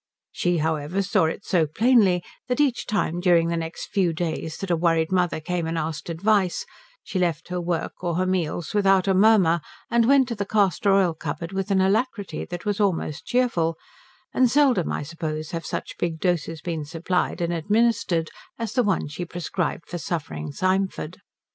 She, however, saw it so plainly that each time during the next few days that a worried mother came and asked advice, she left her work or her meals without a murmur, and went to the castor oil cupboard with an alacrity that was almost cheerful; and seldom, I suppose, have such big doses been supplied and administered as the ones she prescribed for suffering Symford.